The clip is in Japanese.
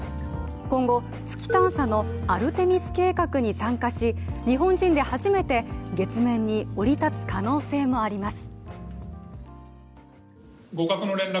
今後、月探査のアルテミス計画に参加し日本人で初めて月面に降り立つ可能性もあります。